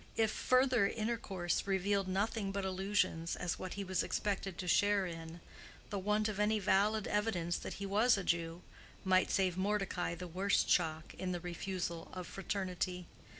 If further intercourse revealed nothing but illusions as what he was expected to share in, the want of any valid evidence that he was a Jew might save Mordecai the worst shock in the refusal of fraternity.